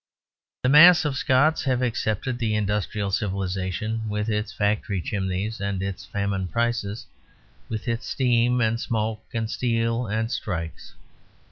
The mass of Scots have accepted the industrial civilisation, with its factory chimneys and its famine prices, with its steam and smoke and steel and strikes.